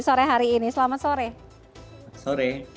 sampai jumpa di video selanjutnya